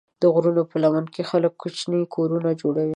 د غرونو په لمنو کې خلک کوچني کورونه جوړوي.